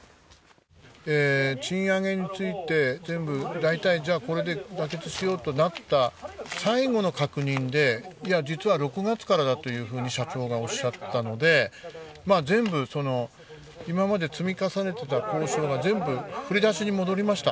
え賃上げについて全部大体じゃあこれで妥結しようとなった最後の確認で「いや実は６月からだ」というふうに社長がおっしゃったのでまあ全部今まで積み重ねてた交渉が全部振り出しに戻りました。